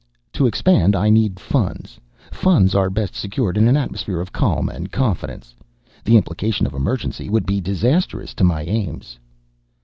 "To expand I need funds. Funds are best secured in an atmosphere of calm and confidence. The implication of emergency would be disastrous to my aims."